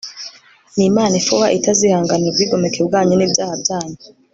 n'imana ifuha itazihanganira ubwigomeke bwanyu n'ibyaha byanyu